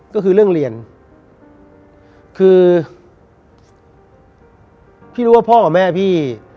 ก็คือเรื่องเรียนคือพี่รู้ว่าพ่อกับแม่พี่